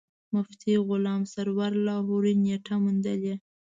مفتي غلام سرور لاهوري نېټه موندلې.